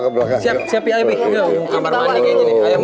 kamar mandi kayak gini